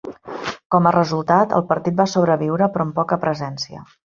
Com a resultat, el partit va sobreviure però amb poca presència.